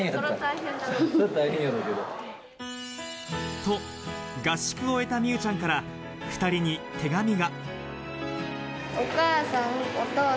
と、合宿を終えた美羽ちゃんから２人に手紙が。